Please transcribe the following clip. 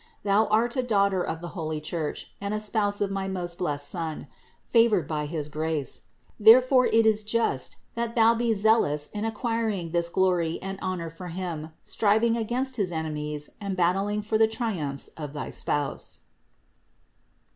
Thou art a daughter of the holy Church and a spouse of my most blessed Son, favored by his grace : it is therefore just that thou be zealous in acquiring this glory and honor for Him, striving against his enemies and battling for the triumphs of thy Spouse.